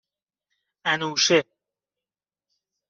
انوشه